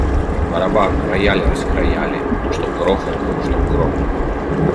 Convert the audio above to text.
Барабан, рояль раскроя ли, но чтоб грохот был, чтоб гром.